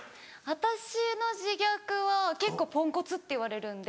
私の自虐は結構ポンコツって言われるんで。